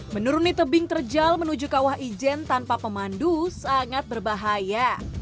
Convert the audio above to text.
menuruni tebing terjal menuju kawah ijen tanpa pemandu sangat berbahaya